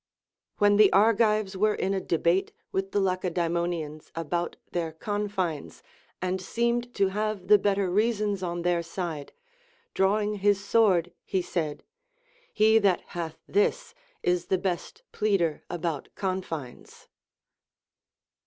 When the Argives Avere iu a debate with the Lacedaemonians about their confines and seemed to have the better reasons on their side, drawing his sword, he said. He that hath this is the best pleader about confines.